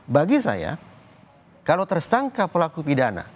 bagi saya kalau tersangka pelaku pidana